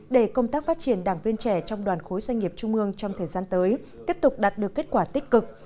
để công tác phát triển đảng viên trẻ trong đoàn khối doanh nghiệp trung ương trong thời gian tới tiếp tục đạt được kết quả tích cực